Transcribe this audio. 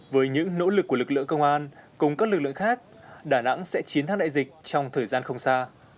với những nỗ lực của lực lượng công an cùng các lực lượng khác đà nẵng sẽ chiến thắng đại dịch trong thời gian không xa